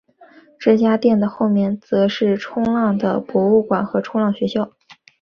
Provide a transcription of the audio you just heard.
这家店的后面则是冲浪的博物馆和冲浪学校。